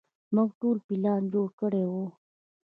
موږ ټول پلان جوړ کړى و.